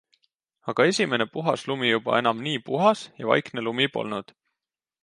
Aga esimene puhas lumi juba enam nii puhas ja vaikne lumi polnud.